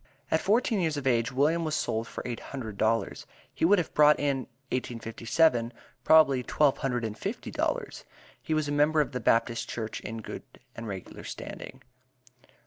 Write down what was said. At fourteen years of age, William was sold for eight hundred dollars; he would have brought in 1857, probably twelve hundred and fifty dollars; he was a member of the Baptist Church in good and regular standing.